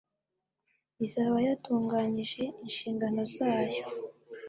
izaba yatunganyije inshingano zayo